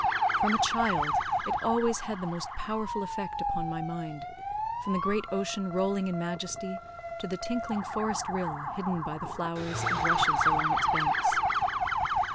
From a child, it always had the most powerful effect upon my mind, from the great ocean rolling in majesty, to the tinkling forest rill, hidden by the flowers and rushes along its banks.